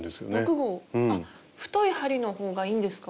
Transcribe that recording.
太い針のほうがいいんですか？